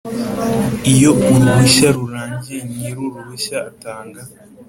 Iyo uruhushya rurangiye nyir uruhushya atanga